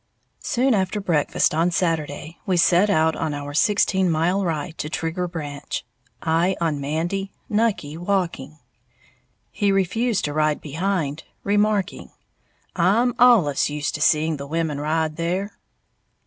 _ Soon after breakfast on Saturday we set out on our sixteen mile ride to Trigger Branch, I on Mandy, Nucky walking, he refused to ride behind, remarking, "I'm allus used to seeing the women ride there."